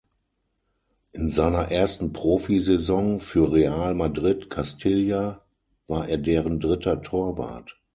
In seiner ersten Profi-Saison für Real Madrid Castilla war er deren dritter Torwart.